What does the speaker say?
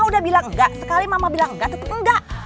udah bilang enggak sekali mama bilang enggak tetap enggak